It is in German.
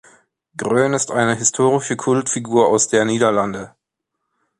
Groen ist eine historische Kultfigur aus der Niederlande.